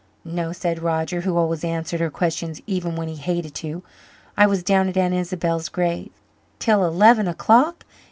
"No," said Roger, who always answered her questions even when he hated to. "I was down at Aunt Isabel's grave." "Till eleven o'clock!